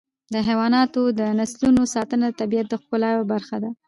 د حیواناتو د نسلونو ساتنه د طبیعت د ښکلا یوه برخه ده.